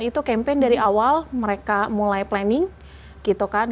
dan itu campaign dari awal mereka mulai planning gitu kan